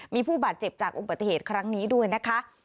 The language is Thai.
มีผู้บาดเจ็บจากอุบัติเหตุครั้งนี้ด้วยนะคะ